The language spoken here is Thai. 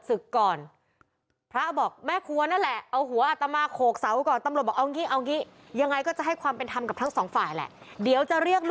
อืมฉันก็ว่าวางไว้แหละเนี่ยจ๊ะเนี่ย